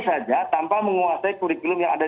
saja tanpa menguasai kurikulum yang ada